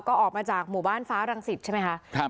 ก็ออกมาจากหมู่บ้านฟ้ารังสิตใช่ไหมคะ